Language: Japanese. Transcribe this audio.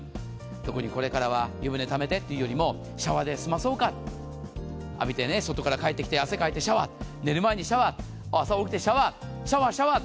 特に、これからは湯舟ためてというよりもシャワーで済まそうか浴びて、外から帰ってきて汗かいてシャワー寝る前にシャワー朝起きてシャワーシャワー、シャワー。